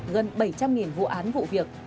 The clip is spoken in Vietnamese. gần bảy trăm linh vụ án vụ việc